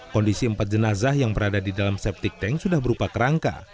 kondisi empat jenazah yang berada di dalam septic tank sudah berupa kerangka